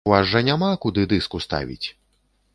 У вас жа няма, куды дыск уставіць!?